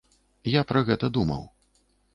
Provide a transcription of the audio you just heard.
Я пра гэта думаў.